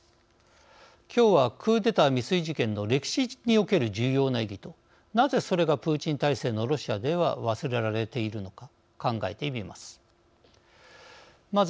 きょうはクーデター未遂事件の歴史における重要な意義となぜそれがプーチン体制のロシアでは忘れられているのか考えてみます。